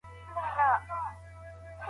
کمپيوټر اډمين لري.